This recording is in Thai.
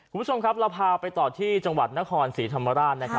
คุณผู้ชมครับเราพาไปต่อที่จังหวัดนครศรีธรรมราช